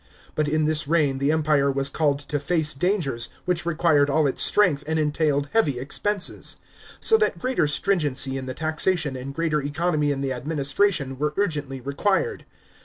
But in his reign the Empire was called to face dangers, which required all its strength and entailed heavy expenses; so that greater stringency in the taxation and greater economy in the administration were urgently required.